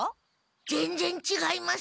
ぜんぜんちがいます。